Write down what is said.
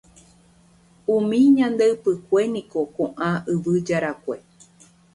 Umi ñande ypykue niko koʼã yvy jarakue.